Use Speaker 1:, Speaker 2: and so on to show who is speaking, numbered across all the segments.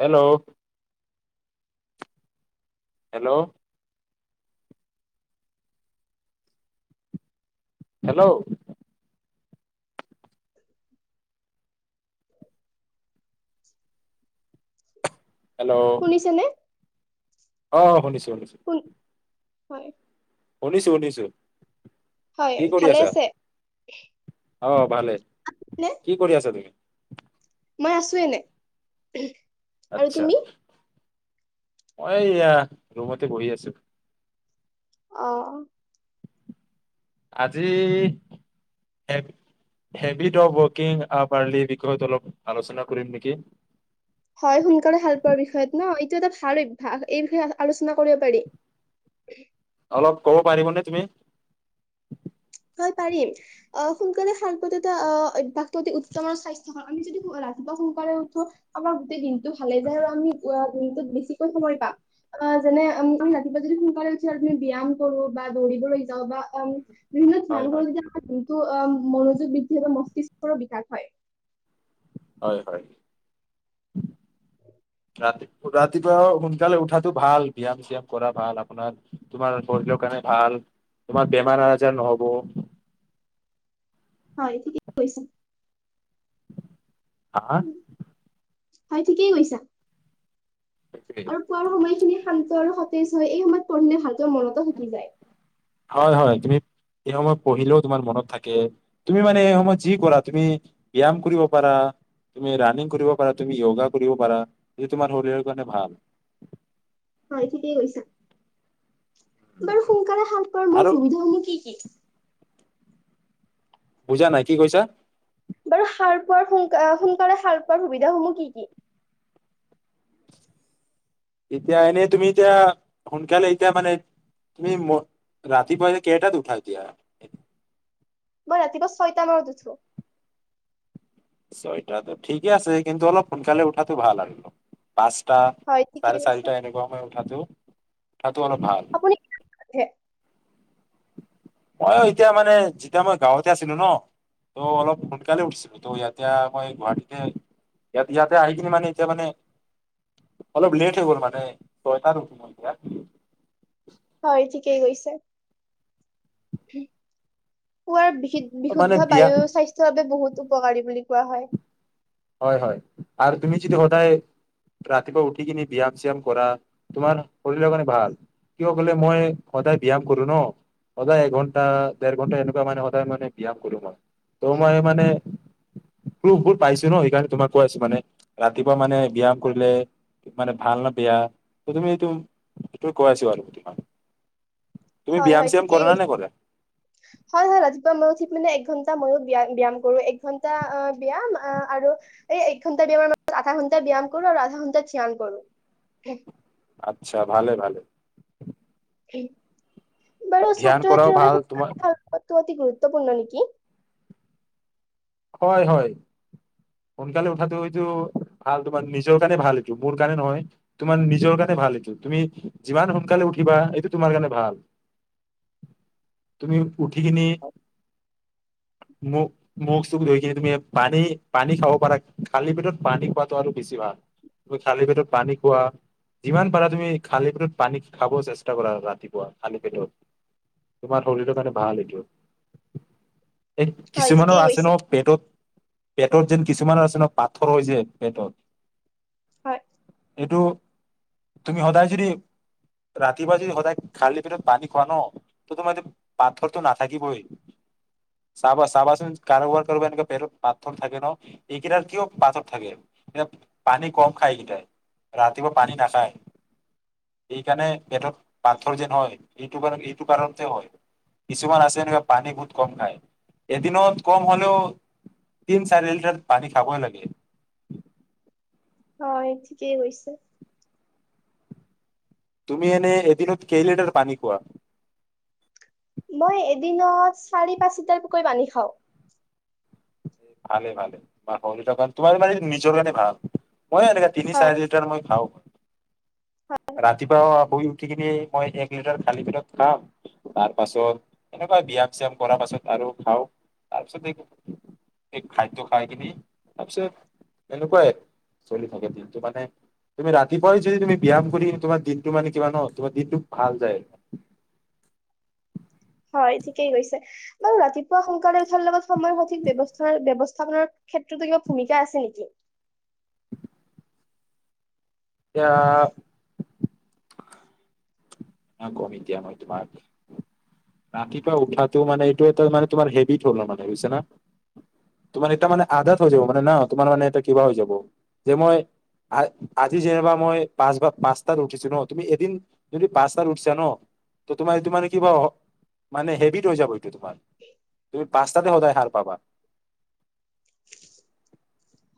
Speaker 1: Hello hello hello
Speaker 2: [unintelligible]
Speaker 1: hello
Speaker 2: শুনিছেনে?
Speaker 1: অহ শুনিছো
Speaker 2: শুন
Speaker 1: [unintelligible]
Speaker 2: হয়
Speaker 1: শুনিছোঁ‌ শুনিছোঁ
Speaker 2: হয়
Speaker 1: কি কৰি
Speaker 2: ভালে
Speaker 1: আছা?
Speaker 2: আছে
Speaker 1: অহ ভালেই,
Speaker 2: নে?
Speaker 1: কি কৰি আছা তুমি
Speaker 2: মই আছো এনে আৰু
Speaker 1: আচ্ছা
Speaker 2: তুমি?
Speaker 1: মই এয়া ৰুমতে বহি আছো।
Speaker 2: অহ
Speaker 1: আজি হেবিট অফ ৱৰ্কিং আ পাৰ্লি বিষয়ত অলপ আলোচনা কৰিম নেকি
Speaker 2: হয় সোনকালে ভাল পোৱাৰ বিষয়ত নহ এইটো এটা ভাল অভ্যাস এই বিষয়ে আলোচনা কৰিব পাৰি
Speaker 1: অলপ ক'ব পাৰিবনে তুমি
Speaker 2: হয় পাৰিম অহ সোনকালে সাৰ পোৱাটো অহ অভ্যাস অতি উত্তম আৰু স্বাস্থ্য আমি যদি ৰাতিপুৱা সোনকালে উঠো আমাৰ গোটেই দিন টো ভালে যায় আৰু আমি উ ৰুমটোত বেছিকে সময় পাম অহ যেনে তুমি ৰাতিপুৱা যদি সোনকালে উঠি তুমি ব্যয়াম কবা দৌৰিবলৈ যাওঁ বা [unintelligible]
Speaker 1: হয়
Speaker 2: মনোযোগ
Speaker 1: হয়
Speaker 2: বৃদ্ধি বা মস্তিষ্কৰো বিকাশ হয়
Speaker 1: হয় হয় ৰাতিপুৱা সোনকালে উঠাটো ভাল ব্যায়াম চিয়াম কৰাটো ভাল আপোনাৰ তোমাৰ শৰীৰৰ কাৰণে ভাল তোমাৰ বেমাৰ আজাৰ নহব
Speaker 2: হয় ঠিক কৈছে
Speaker 1: আহা
Speaker 2: হয় ঠিকেই কৈছা
Speaker 1: সেইটোৱে
Speaker 2: আৰু পোৱাৰ সময়খিনি শান্তি আৰু সতেজ হয় এই সময়ত পঢ়িলে ভাল তোৰ মনতো থাকি যায়
Speaker 1: হয় হয় তুমি এই সময়ত পঢ়িলেও তোমাৰ মনত থাকে তুমি মানে এই সময় যি কৰা তুমি ব্যায়াম কৰিব পাৰা তুমি ৰাণিং কৰিব পাৰা তুমি য়োগা কৰিব পাৰা যিটো তোমাৰ শৰীৰৰ কাৰণে ভাল
Speaker 2: হয় ঠিকেই কৈছা বাৰু সোনকালে সাৰ পোৱাৰ
Speaker 1: আৰু
Speaker 2: মূল সুবিধাসমূহ কি কি?
Speaker 1: বুজা নাই কি কৈছা
Speaker 2: বাৰু সাৰ পোৱাৰ সোন সোনকালে সাল পোৱাৰ সুবিধা সমূহ কি কি?
Speaker 1: এতিয়া এনেই তুমি এতিয়া সোনকালে এতিয়া মানে তুমি ৰাতিপুৱা এতি কেইটাত উঠা এতিয়া
Speaker 2: মই ৰাতিপুৱা ছয়টা মানত উঠো
Speaker 1: ছয়টাটো ঠিকে আছে কিন্তু অলপ সোনকালে উঠাটো ভাল আৰু পাঁচটা
Speaker 2: হয়
Speaker 1: চাৰে
Speaker 2: ঠিকেই কৈছে
Speaker 1: চাৰিটা এনেকুৱা সমই উঠাতো তাতো অলপ ভাল
Speaker 2: আপুনি কি ভাবে?
Speaker 1: মই এতিয়া মানে যেতিয়া মই গাঁৱতে আছিলো ন ত অলপ সোনকালে উঠিছিলো ত এতিয়া মই গুৱাহাটীতে ই ইয়াতে আহি কিনে মানে এতিয়া মানে অলপ লেট হৈ গল মানে ছয়টাত উঠো মই এতিয়া
Speaker 2: হয় ঠিকেই কৈছে। পোৱাৰ
Speaker 1: মানে
Speaker 2: বিশুদ্ধ
Speaker 1: বিয়া
Speaker 2: বায়ু স্বাস্থ্যৰ বাবে বহুত উপকাৰী বুলি কোৱা হয়।
Speaker 1: হয় হয় আৰু তুমি যদি সদায় ৰাতিপুৱা উঠি কিনি ব্যায়াম চিয়াম কৰা তোমাৰ শৰীৰৰ কাৰণে ভাল। কিয় কলে মই সদায় ব্যায়াম কৰো ন সদায় এঘন্টা দেৰ ঘন্টা এনেকুৱা মানে সদায় মানে ব্যয়াম কৰো মই ত' মই মানে ভাল পাইছো। ন সেইকাৰণে তোমাক কৈ আছো মানে ৰাতিপুৱা মানে ব্যায়াম কৰিলে মানে ভাল নে বেয়া তুমি এইটো সেইটো কৈ আছো আৰু তোমাক। তুমি
Speaker 2: হয়
Speaker 1: ব্যায়াম
Speaker 2: হয়
Speaker 1: চ্যায়াম কৰা
Speaker 2: ঠিকেই
Speaker 1: না নে
Speaker 2: কৈছে
Speaker 1: নকৰা
Speaker 2: হয় হয় ৰাতিপুৱা মোৰ উঠি মানে এক ঘণ্টা ময়ো ব্যয়াম ব্যায়াম কৰো এক ঘন্টা ব্যায়াম আহ আৰু এই এক ঘন্টা ব্যায়ামৰ মাজত আধা ঘন্টা ব্যায়াম কৰো আৰু আধা ঘন্টা চয়ান কৰো
Speaker 1: আচ্ছা ভালে ভালে
Speaker 2: উ বাৰ
Speaker 1: ধ্যান
Speaker 2: ছাত্ৰ
Speaker 1: কৰাও
Speaker 2: ছাত্ৰীৰ
Speaker 1: ভাল
Speaker 2: বাবে
Speaker 1: তোমাৰ
Speaker 2: অতি গুৰুত্ব গুৰুত্বপূৰ্ণ নেকি
Speaker 1: হয় হয় সোনকালে উঠাটো এইটো ভাল তোমাৰ নিজৰ কাৰণে ভাল এইটো মোৰ কাৰণে নহয় তোমাৰ নিজৰ কাৰণে ভাল এইটো তুমি যিমান সোনকালে উঠিবা এইটো তোমাৰ কাৰণে ভাল তুমি উঠি কিনি মোক মোক ধ কি তুমি পানী পানী খাব পাৰা খালী পেটত পানী খোৱাটো আৰু বেছি ভাল তুমি খালী পেটত পানী কোৱা যিমান পাৰা তুমি খালী পেটত পানী খাব চেষ্টা কৰা ৰাতিপুৱা খালী পেটত তোমাৰ শৰীৰৰ কাৰণে ভাল এইটো। এই
Speaker 2: হয়
Speaker 1: কিছুমানৰ
Speaker 2: ঠিকেই
Speaker 1: আছে
Speaker 2: কৈছে
Speaker 1: ন, পেটত যেন কিছুমান আছে ন পাথৰ হৈ হৈছে পেটত।
Speaker 2: হয়।
Speaker 1: এইটো তুমি সদায় যদি ৰাতিপুৱা যদি সদায় খালি পেটত পানী খোৱা ন ত তোমাৰ এইটো পাথৰটো নাথাকিবই চাবা চাবাচোন কাৰোবাৰ পেটত পাথৰ থাকে ন এইকেইটাৰ কিয় পাথৰ থাকে পানী কম খায় এইকেইটাই ৰাতিপুৱা পানী নাখায় এইকাৰণে পেটত পাথৰ যেন হয় এইটো কাৰ এইটো কাৰণতে হয় কিছুমান আছে এনেকুৱা পানী বহুত কম খায় এদিনত কম হ তিন চাৰি লিটাৰ পানী খাব লাগে।
Speaker 2: অ ঠিকেই কৈছে।
Speaker 1: তুমি এনে এদিনত কেই লিটাৰ পানী খোৱা?
Speaker 2: মই এদিনত চাৰি পাঁচ লিটাৰকৈ পানী খাও
Speaker 1: ভালে ভালেম হান পথৰ কেইটা তোমাৰ মানে নিজৰ গানে ভাল। মই এনেকা তিনি
Speaker 2: হয়
Speaker 1: চাৰি লিটাৰ মান খাওঁ। ৰাতিপুৱা শুই উঠি কিনি মই এক লিটাৰ খালি পেটত খাম তাৰ পাছত এনেকুৱা ব্যায়াম চিয়াম কৰা পাছত আৰু খাওঁ তাৰ পাছত স খাদ্য খাই কিনি তাৰপিছত এনেকুৱাই চলি থাকে দন্তটো মানে তুমি ৰাতি যদি তুমি ব্যাম কৰিম তোমাৰ দিন টো মানে কিবা ন তোমাৰ দিনটো ভাল যায় আৰু
Speaker 2: হয় ঠিকেই কৈছে বাৰু ৰাতিপুৱা সোনকালে উঠাৰ লগত সময় সঠিক ব্যৱস্থা ব্যৱস্থাপনাৰ ক্ষেত্ৰতো কিবা ভূমিকা আছে নেকি
Speaker 1: এতিয়া এ ম তোমাক ৰাতিপুৱা উঠাটো মানে এইটো এ ম তোমাৰ হেবিট হল মানে বুজছা না তোমাৰ এটা মানে আদাত হৈ যাব মানে ন তোমাৰ মানে এ কিবা হৈ যাব যে মই আজি যেনিবা মই পাঁচ বা পাঁচটাত উঠিছো ন তুমি এদিন যদি পাঁচতাত উঠিছা ন ত তোমাৰ এইটো মানে কিবা মানে হেভিত হৈ যাব এইটো তোমাৰ তুমি পাঁচ্তাতে সদায় সাৰ পাবা।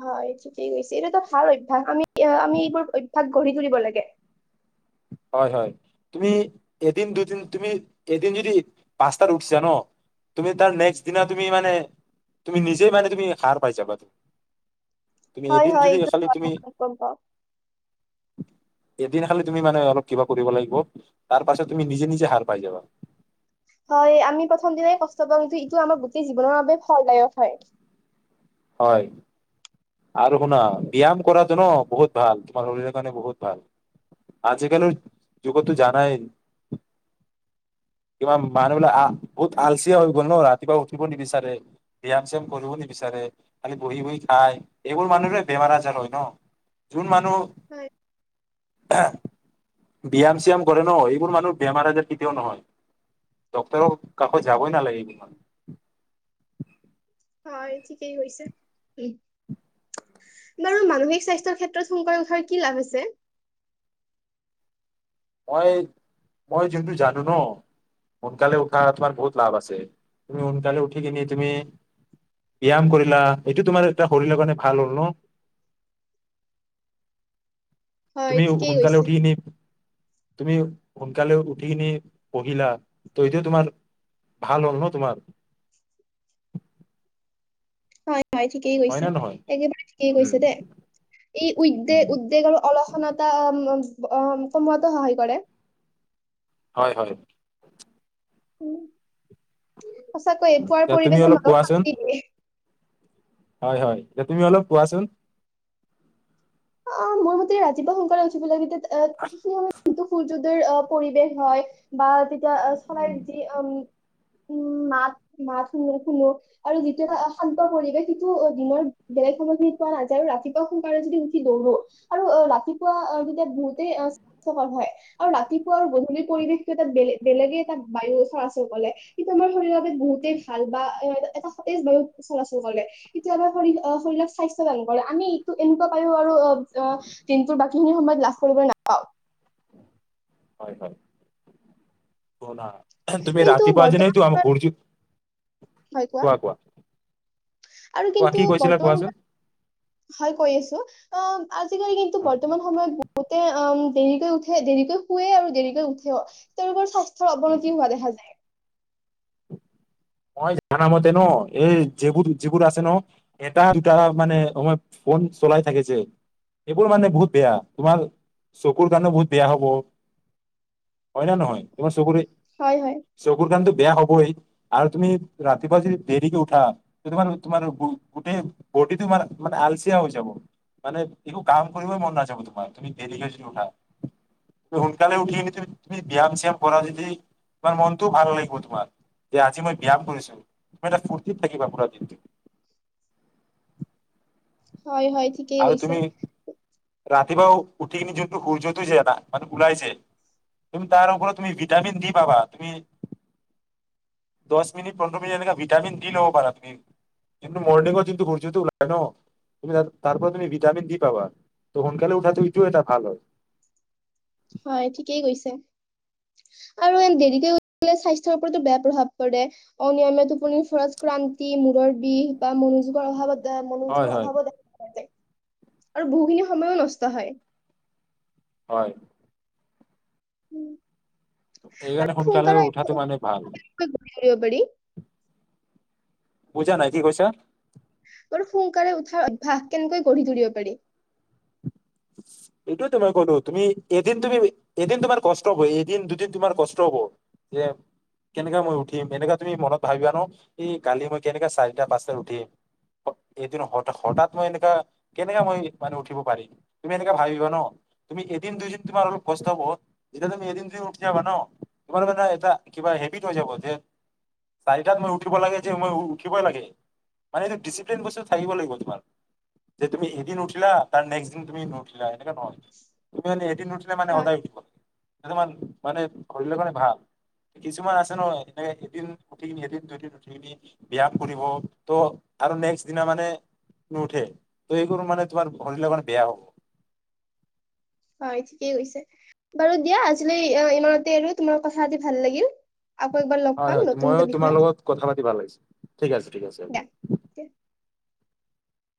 Speaker 2: হয় ঠিকেই কৈছে এইটোটো ভাল অভ্যাস আমি আমি এইবোৰ অভ্যাস গঢ়ি তুলিব লাগে
Speaker 1: হয় হয় তুমি এদিন দুদিন তুমি এদিন যদি পাঁচটাত উঠিছা ন তুমি তাৰ নেক্স দিনা তুমি মানে তুমি নিজেই মানে তুমি সাৰ পাই যাবা তুমি
Speaker 2: হয়
Speaker 1: এদিন
Speaker 2: হয়
Speaker 1: যদি
Speaker 2: এইটো
Speaker 1: খালি তুমি
Speaker 2: গম পাও
Speaker 1: এদিন খালি তুমি মানে অলপ কিবা কৰিব লাগিব তাৰ পাছত তুমি নিজে নিজে সাৰ পাই যাবা
Speaker 2: হয় আমি প্ৰথম দিনাই কষ্ট পাওঁ কিন্তু এইটো আমাৰ গোটেই জীৱনৰ বাবে ফলদায়ক হয়
Speaker 1: হয় আৰু শুনা ব্যায়াম কৰাটো ন বহুত ভাল তোমাৰ শৰীৰৰ কাৰণে বহুত ভাল আজিকালিৰ যুগতো জানাই কিবা মানুহবিলাক আ বহুত আলচিয হৈ গল ন ৰাতিপুৱা উঠিব নিবিচাৰে ব্যায়াম চ্যাম কৰিব নিবিচাৰে খালি বহি বহি খাই এইবোৰ মানুহৰে বেমাৰ আজাৰ হয় ন যোন মানুহ
Speaker 2: হয়
Speaker 1: [unintelligible] ব্যায়াম চিয়াম কৰে ন এইবোৰ মানুহ বেমাৰ আজাৰ কেতিয়াও নহয় ড্ক্তৰক কাষত যাবই নালাগে এইবোৰ
Speaker 2: হয় ঠিকেই কৈছে উ বাৰু মানসিক স্বাস্থ্যৰ ক্ষেত্ৰত সোনকালে উঠাৰ কি লাভ আছে
Speaker 1: মই মই যোনটো জানো ন সোনকালে উঠা তোমাৰ বহুত লাভ আছে তুমি সোনকালে উঠি কিনি তুমি ব্যায়াম কৰিলা এইটো তোমাৰ এটা শৰীৰৰ কাৰণে ভাল হ'ল ন
Speaker 2: হয়
Speaker 1: তুমি
Speaker 2: ঠিকেই
Speaker 1: সোনকালে
Speaker 2: কৈছে।
Speaker 1: উঠি কিনি তুমি সোনকালে উঠি কিনি পঢ়িলা ত এইটো তোমাৰ ভাল হ'ল ন তোমাৰ
Speaker 2: হয় হয় ঠিকেই
Speaker 1: হয়
Speaker 2: কৈছে
Speaker 1: না নহয়
Speaker 2: একেবাৰে ঠিকেই কৈছে
Speaker 1: উম
Speaker 2: দেই এই উদ্গে
Speaker 1: উম
Speaker 2: উদ্বেগ আৰু অলসনতা অঁ কমোৱাতো সহায় কৰে।
Speaker 1: হয় হয়।
Speaker 2: উম সঁচাকৈয়ে পুৱাৰ
Speaker 1: এতিয়া তুমি
Speaker 2: পৰিৱেশে
Speaker 1: অলপ
Speaker 2: মানুহক
Speaker 1: কোৱাচোন
Speaker 2: শান্তি দিয়ে।
Speaker 1: হয় হয় এতিয়া তুমি অলপ কোৱাচোন।
Speaker 2: অঁ মোৰ মতে ৰাতিপুৱা উঠিব লাগে। [unintelligible] কিন্তু সুৰ্য্যোদয়ৰ পৰিৱেশ হয় বা ত
Speaker 1: উম,
Speaker 2: চৰাই যি উম উম মাত মাত শুনো শুনো আৰু যিটো এটা শান্ত পৰিৱেশ সেইটো দিনৰ বেলেগ সময়ত যি পোৱা নাযায় আৰু ৰাতিপুৱা সোনকালে যদি উঠো উঠি বহো আৰু ৰাতিপুৱা তেতিয়া বহুতেই স্বাস্থ্যকৰ হয় আৰু ৰাতিপুৱা আৰু গধূলিৰ পৰিৱেশটো এটা বেলেগ বেলেগে এটা বায়ু চলাচল কৰে কিন্তু আমাৰ শৰীৰৰ বাবে বহুতেই ভাল বা এটা সতেজ বায়ু চলাচল কৰে কিন্তু আমাৰ শৰ শৰীৰক স্বাস্থ্যৱান কৰে আমি এইটো এনেকুৱা পাৰো আৰু অঁ অঁ দিনটোৰ বাকী বাকী খিনি সময়ত লাভ কৰিবলৈ নাপাও
Speaker 1: হয় হয় তুমি
Speaker 2: কিন্তু
Speaker 1: ৰাতিপুৱা
Speaker 2: বৰ্তমান
Speaker 1: জোনাই তো আমাৰ
Speaker 2: সময়ত
Speaker 1: সূৰ্যো কোৱা কোৱা।
Speaker 2: আৰু
Speaker 1: কোৱা
Speaker 2: কিন্তু
Speaker 1: কি কৈছিলা
Speaker 2: বৰ্তমান
Speaker 1: কোৱাচোন
Speaker 2: সময়ত, হয় কৈ আছো অহ আজিকালি কিন্তু বৰ্তমান সময়ত বহুতে অহ দেৰিকৈ উঠে, দেৰিকৈ শুৱে আৰু দেৰিকৈ উঠেও, তেওঁলোকৰ স্বাস্থ্য চ
Speaker 1: উম,
Speaker 2: অৱনতি হোৱা দেখা যায়।
Speaker 1: মই জানা মতে নহ, এই যিবোৰ যিবোৰ আছে নহ, এটা দুটা মানে ফোন চলাই থাকে যে, সেইবোৰ মানে বহুত বেয়া তোমাৰ চকুৰ কাৰণে বহুত বেয়া হব, হয় নহ নহয় তোমাৰ চকুৰে
Speaker 2: হয় হয়
Speaker 1: চকুৰ [unintelligible] বেয়া হ'বই। আৰু তুমি ৰাতিপুৱা যদি দেৰিকে উঠা, তোমাৰ তোমাৰ গোটেই বডী তোমাৰ মানে আলচিয়া হৈ যাব, মানে একো কাম কৰিবই মন নাযাব‌ তোমাৰ, তুমি দেৰিকৈ যদি উঠা, সোনকালে উঠি তুমি তুমি ব্যায়াম চ্যাম কৰা যদি তোমাৰ মনটোও ভাল লাগিব তোমাৰ। যে আজি মই ব্যায়াম কৰিছোঁ, তুমি এটা ফুৰ্তিত থাকিবা পুৰা দিনটো।
Speaker 2: হয়, হয়, ঠিকেই
Speaker 1: আৰু
Speaker 2: হৈছে।
Speaker 1: তুমি ৰাতিপুৱা উঠি কিনি জোনটো সূৰ্যটো যে এটা, মানে ওলাই যে, তুমি তাৰ ওপৰত তুমি ভিটামিন দি পাবা, তুমি দছ মিনিট পোন্ধৰ মিনিট এনেকা ভিটামিন দি লব পাৰা তুমি। জোনটো মৰ্নিঙত জোনটো সূৰ্যটো ওলাই ন তুমি তাৰপৰা তুমি ভিটামিন দি পাবা। ত সোনকালে উঠাটো এটা ভাল হয়।
Speaker 2: হয়, ঠিকেই কৈছে। আৰু দেৰিকে উঠিলে স্বাস্থ্যৰ প্ৰতি বেয়া প্ৰভাৱ পৰে। অনিয়মীয়া টোপনি [unintelligible] ক্ৰান্তি, মূৰৰ বিষ বা মনোযোগৰ অভাৱত বা
Speaker 1: হয়
Speaker 2: মনোযোগৰ
Speaker 1: হয়
Speaker 2: অভাৱো দেখা পোৱা যায়। আৰু বহুখিনি সময়ো নষ্ট হয়।
Speaker 1: হয়।
Speaker 2: উম
Speaker 1: এইকাৰণে সোনকালে উঠাটো মানে ভাল।
Speaker 2: [inaudible]
Speaker 1: বুজা নাই কি কৈছা?
Speaker 2: বাৰু সোনকালে উঠাৰ অভ্যাস কেনেকৈ গঢ়ি তুলিব পাৰি?
Speaker 1: এইটোৱেতো মই কলো, তুমি এদিন তুমি এদিন তোমাৰ কষ্ট হ'ব, এদিন দুদিন তোমাৰ কষ্ট হ'ব যে কেনেকা মই উঠিম এনেকা তুমি মনত ভাবিবা ন?, এই কালি মই কেনেকা চাৰিটা পাঁচটাত উঠিম, এদিন হঠাৎ মই এনেকা কেনেকা মই মানে উঠিব পাৰিম? [unintelligible] তু অনেকে ভাবিবা ন, তুমি এদিন দুইদিন তোমাৰ অলপ কষ্ট হ'ব, যেতিয়া তুমি এদিন দুদিন উঠি যাবা ন, তোমাৰ মানে এটা কিবা হেবিত হৈ যাব যে চাৰিটাত মই উঠিব লাগে যে মই উঠিবই লাগে। মানে যে ডিচিপ্লিন বস্তুটো থাকিব লাগিব তোমাৰ যে তুমি এদিন উঠিলা, তাৰ নেক্সট দিন তুমি নুথিলাই। এনে নহয় তুমি এদিন নঠিলে মানে
Speaker 2: হয়
Speaker 1: সদায় উঠিব লাগ তোমাৰ মানে শৰীৰৰ কাৰণে ভাল কিছুমান আছে ন মানে ভাল্, কিছুমান আছে নহ এদিন উঠি কিনি এদিন দু দিন উঠি কিনি বয়া কৰিব ত আৰু নেক্সট দিনা মানেু উঠে ত সেই কৰ মানে তোমাৰ শৰীৰৰ কাৰণে বেয়া হব।
Speaker 2: হয় ঠিকেই কৈছে, বাৰু দিয়া আজিলৈ ইমানতে আৰু তোমাৰ কথাপাতি ভাল লাগিল। আকৌ এবাৰ লগ
Speaker 1: হয়
Speaker 2: পাম
Speaker 1: হয়
Speaker 2: নতুন
Speaker 1: ময়ো
Speaker 2: এটা
Speaker 1: তোমাৰ
Speaker 2: বিষয়ত
Speaker 1: লগত কথা পাতি ভাল লাগিছে ঠিক আছে ঠিক আছে।
Speaker 2: দিয়া।